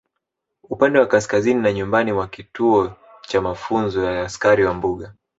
Upande wa kaskazini na nyumbani mwa kituo cha mafunzo ya askari wa mbuga